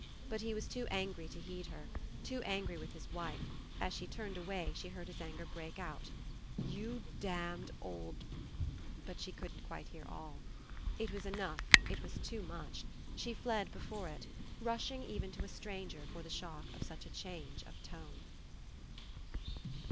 But he was too angry to heed her too angry with his wife; as she turned away she heard his anger break out. "You damned old b " she couldn't quite hear all. It was enough, it was too much: she fled before it, rushing even to a stranger for the shock of such a change of tone.